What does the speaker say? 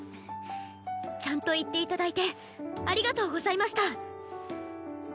ちゃんと言って頂いてありがとうございました！